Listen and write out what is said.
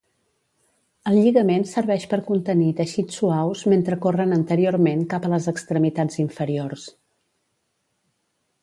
El lligament serveix per contenir teixits suaus mentre corren anteriorment cap a les extremitats inferiors.